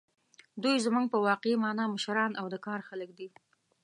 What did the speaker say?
دوی زموږ په واقعي مانا مشران او د کار خلک دي.